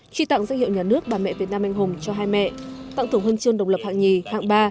truy tặng danh hiệu nhà nước bà mẹ việt nam anh hùng cho hai mẹ tặng thưởng huân chương độc lập hạng nhì hạng ba